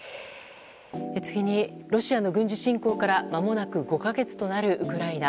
次に、ロシアの軍事侵攻からまもなく５か月となるウクライナ。